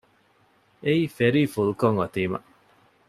އެއީ ފެރީ ފުލްކޮށް އޮތީމަ